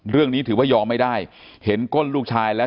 เรื่องนี้ถือว่ายอมไม่ได้เห็นก้นลูกชายแล้ว